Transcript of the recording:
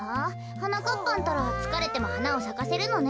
はなかっぱんったらつかれてもはなをさかせるのね。